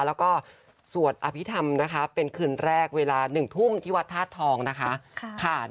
แล้วก็สวดอภิษฐรรมนะคะเป็นคืนแรกเวลา๑ทุ่มที่วัดธาตุทองนะคะ